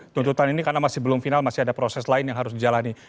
tuntutan ini karena masih belum final masih ada proses lain yang harus dijalani